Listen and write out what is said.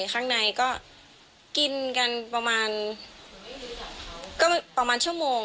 ข้างในก็กินกันประมาณชั่วโมง